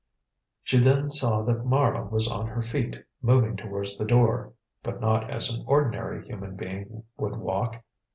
She then saw that Mara was on her feet, moving towards the door. But not as an ordinary human being would walk.